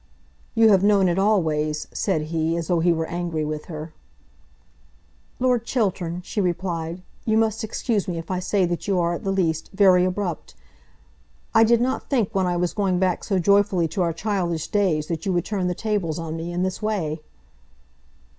"You have known it always," said he, as though he were angry with her. "Lord Chiltern," she replied, "you must excuse me if I say that you are, at the least, very abrupt. I did not think when I was going back so joyfully to our childish days that you would turn the tables on me in this way."